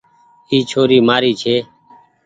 اي ڇوري مآري ڇي۔